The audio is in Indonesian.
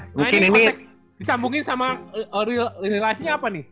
nah ini konteks disambungin sama real life nya apa nih